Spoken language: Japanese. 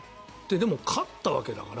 でも勝ったわけだから。